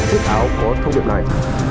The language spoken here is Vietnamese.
để đã chọn chiếc áo có thông điệp này